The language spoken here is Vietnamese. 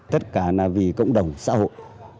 tất cả là vì cộng đồng xã hội